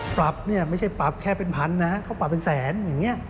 ปรับเนี่ยไม่ใช่ปรับแค่เป็นพันนะเขาปรับเป็นแสนอย่างนี้